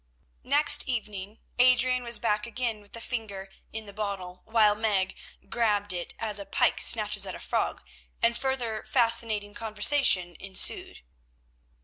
Next evening Adrian was back again with the finger in the bottle, which Meg grabbed as a pike snatches at a frog, and further fascinating conversation ensued.